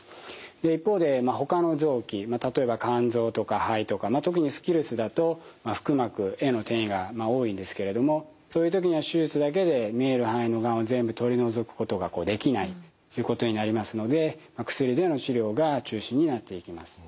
で一方でほかの臓器例えば肝臓とか肺とか特にスキルスだと腹膜への転移が多いんですけれどもそういう時には手術だけで見える範囲のがんを全部取り除くことができないということになりますので薬での治療が中心になっていきます。